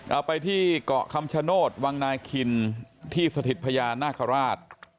เอาไปที่เกาะคำชโนธวังนาคินที่สถิตพญานาคาราช